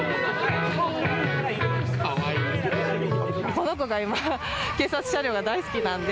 この子が今、警察車両が大好きなんで。